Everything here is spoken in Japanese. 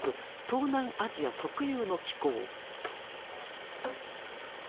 東南アジア特有の気候。